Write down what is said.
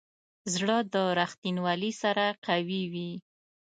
زړه د ریښتینولي سره قوي وي.